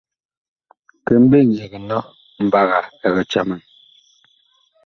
Ki mbeŋ ɛg nɔ, mbaga ɛg.